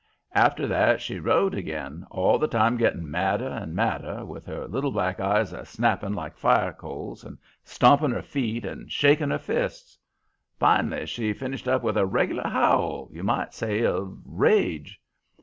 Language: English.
After that she rowed again, all the time getting madder and madder, with her little black eyes a snapping like fire coals and stomping her feet and shaking her fists. Fin'lly she finished up with a regular howl, you might say, of rage.